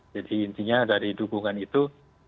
jadi intinya dari dukungan itu